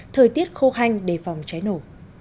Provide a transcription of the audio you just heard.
thời tiết khô hanh đề phòng cháy nổ